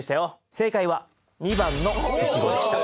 正解は２番のいちごでした。